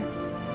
kok ada airnya